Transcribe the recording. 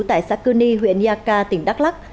tại xã cư ni huyện nha ca tỉnh đắk lắc